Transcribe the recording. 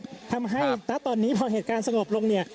ดินแดงตรงนั้นนะครับทำให้แต่ตอนนี้พอเหตุการณ์สงบลงเนี่ย